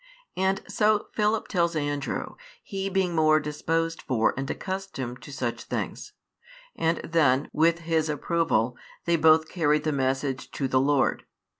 And so Philip tells Andrew, he being more disposed for and accustomed to such things; and then, with his approval, they both carry the message to the Lord.